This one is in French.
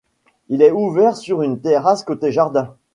Il est ouvert sur une terrasse côté jardin.